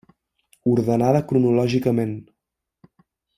Ordenada cronològicament.